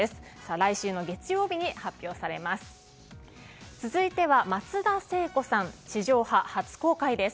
来週の月曜日に発表されます。